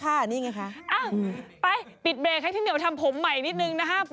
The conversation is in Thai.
นี่ไงคะไปปิดเบรกให้พี่เหี่ยวทำผมใหม่นิดนึงนะครับ